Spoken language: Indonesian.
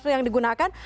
terus yang digunakan